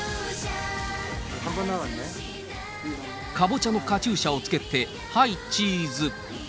かぼちゃのカチューシャをつけてはい、チーズ。